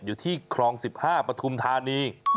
อยู่ที่ครอง๑๕ปฐุมธานี